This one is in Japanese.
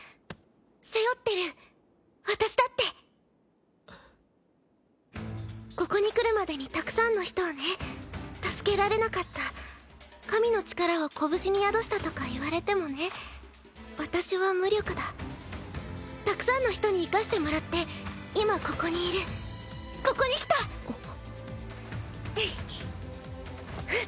背負ってる私だってんっここに来るまでにたくさんの人をね助けられなかった神の力を拳に宿したとか言われてもね私は無力だたくさんの人に生かしてもらって今ここに来たあっんっ！